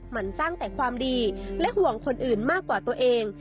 มันสร้างแต่ความดีและห่วงคนอื่นมากกว่าตัวเอง